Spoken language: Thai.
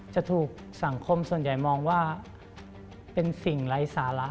จะถูกสังคมส่วนใหญ่มองว่าเป็นสิ่งไร้สาระ